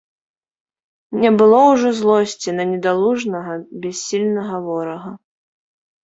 Не было ўжо злосці на недалужнага, бяссільнага ворага.